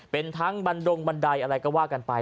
เป็นทั้งบันดงบันไดอะไรก็ว่ากันไป